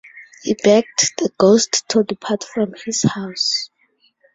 He begged the ghosts to depart from his house.